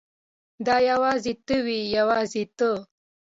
دا یوازې ته وې یوازې ته.